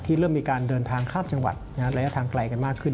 เริ่มมีการเดินทางข้ามจังหวัดระยะทางไกลกันมากขึ้น